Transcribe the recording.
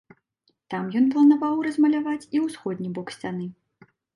Там ён планаваў размаляваць і ўсходні бок сцяны.